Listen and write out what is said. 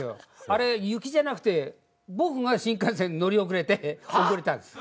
あれ雪じゃなくて僕が新幹線に乗り遅れて遅れたんです。